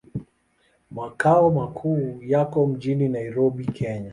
Makao makuu yako mjini Nairobi, Kenya.